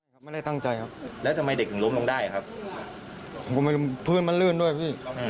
ผมไม่รู้พื้นมันลื่นด้วยพี่